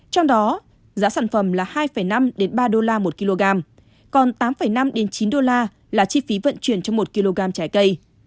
trong đó giá sản phẩm là hai năm ba đô la một kg còn tám năm chín đô la là chi phí vận chuyển trong một kg trái cây